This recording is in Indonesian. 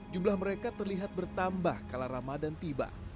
jumlah mereka terlihat bertambah kala ramadan tiba